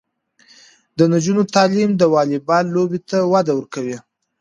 د نجونو تعلیم د والیبال لوبې ته وده ورکوي.